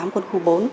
quân khu bốn